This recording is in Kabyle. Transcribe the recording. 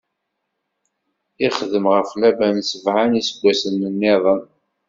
Ixdem ɣef Laban sebɛa n iseggasen-nniḍen.